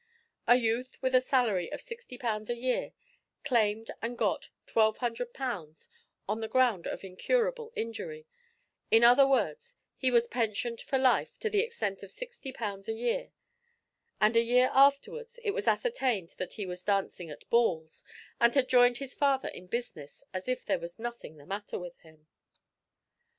A youth with a salary of 60 pounds a year claimed and got 1200 pounds on the ground of incurable injury in other words he was pensioned for life to the extent of 60 pounds a year and, a year afterwards, it was ascertained that he was "dancing at balls," and had joined his father in business as if there was nothing the matter with him.